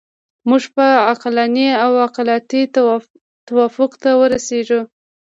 موږ به عقلاني او عقلایي توافق ته ورسیږو.